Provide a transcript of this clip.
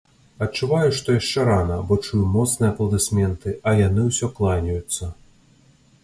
Адчуваю, што яшчэ рана, бо чую моцныя апладысменты, а яны ўсё кланяюцца.